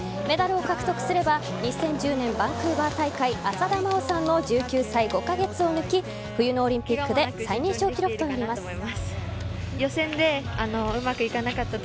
メダルを獲得すれば２０１０年バンクーバー大会浅田真央さんの１９歳５カ月を抜き冬のオリンピックで最年少記録となります。